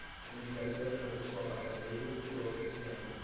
O empilhador atravessou a passadeira e esperou pelo peão.